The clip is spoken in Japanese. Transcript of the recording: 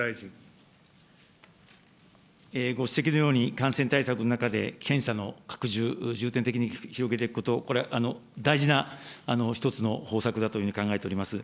ご指摘のように、感染対策の中で検査の拡充、重点的に広げていくこと、大事な一つの方策だというふうに考えております。